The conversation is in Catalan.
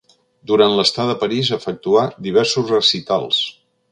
Durant l'estada a París efectuà diversos recitals.